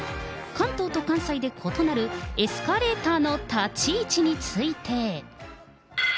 関東と関西で異なるエスカレーターの立ち位置について。